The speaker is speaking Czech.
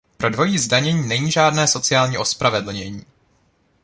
Pro dvojí zdanění není žádné sociální ospravedlnění.